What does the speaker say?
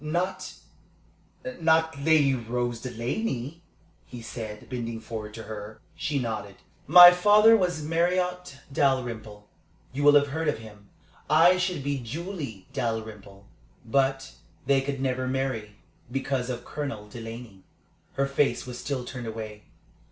"Not not Lady Rose Delaney?" he said, bending forward to her. She nodded. "My father was Marriott Dalrymple. You will have heard of him. I should be Julie Dalrymple, but they could never marry because of Colonel Delaney." Her face was still turned away.